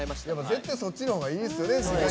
絶対そっちのほうがいいですよね。